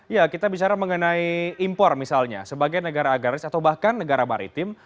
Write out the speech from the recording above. ya kita bicara mengenai impor misalnya sebagai negara agraris atau bahkan negara maritim